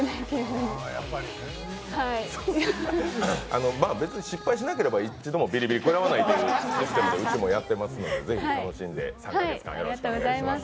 あのまあ別に失敗しなければ一度もビリビリを食らわないというシステムでうちはやっているのでぜひ楽しんで参加していただきたいと思います。